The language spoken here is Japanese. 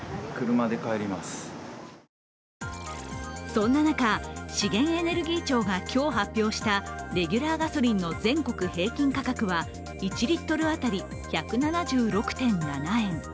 そんな中、資源エネルギー庁が今日発表したレギュラーガソリンの全国平均価格は１リットル当たり１７６．７円。